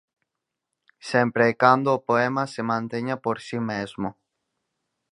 Sempre e cando o poema se manteña por si mesmo.